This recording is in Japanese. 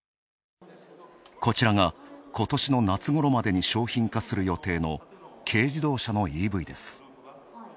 こちらがことしの夏ごろまでに商品化する予定の軽自動車のＥＶです。